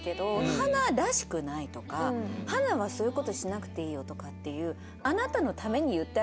「花らしくない」とか「花はそういう事しなくていいよ」とかっていう。